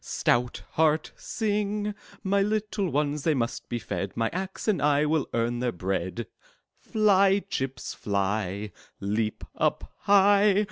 Stout heart, sing! My little ones, they must be fed; My axe and I will earn their bread! 'Tly, chips, fly! Leap up high!